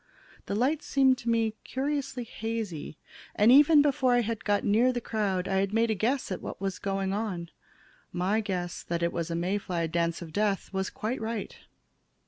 The light seemed to me curiously hazy, and even before I got near the crowd I had made a guess at what was going on. My guess that it was a May fly dance of death was quite right.